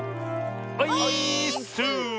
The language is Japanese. オイーッス！